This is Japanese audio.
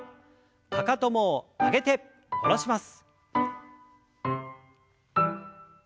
かかとも上げて下ろします。